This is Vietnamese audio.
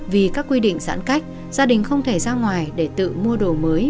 vì các quy định giãn cách gia đình không thể ra ngoài để tự mua đồ mới